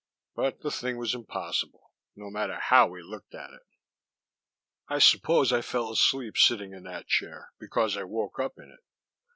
But the thing was impossible, no matter how we looked at it. I suppose I fell asleep sitting in that chair, because I woke up in it.